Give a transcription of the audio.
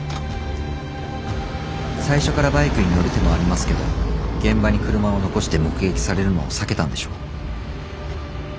最初からバイクに乗る手もありますけど現場に車を残して目撃されるのを避けたんでしょう。